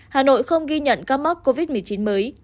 hà nội không ghi nhận ca mắc covid một mươi chín mới